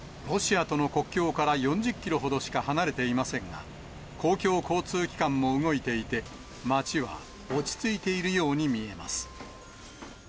ロシアとの国境から４０キロほどしか離れていませんが、公共交通機関も動いていて、街は落ち着いているように見えます。